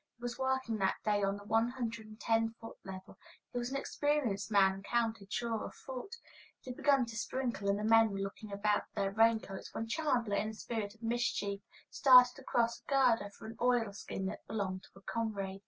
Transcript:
He was working that day on the one hundred and ten foot level; he was an experienced man and counted sure of foot. It had begun to sprinkle, and the men were looking about for their rain coats, when Chandler, in a spirit of mischief, started across a girder for an oil skin that belonged to a comrade.